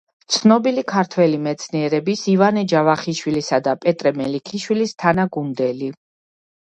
ცნობილი ქართველი მეცნიერების ივანე ჯავახიშვილისა და პეტრე მელიქიშვილის თანაგუნდელი.